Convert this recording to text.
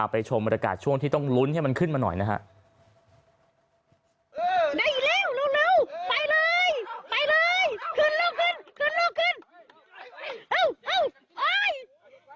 ไปชมบรรยากาศช่วงที่ต้องลุ้นให้มันขึ้นมาหน่อยนะฮะ